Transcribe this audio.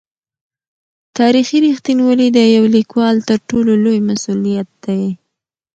تاریخي رښتینولي د یو لیکوال تر ټولو لوی مسوولیت دی.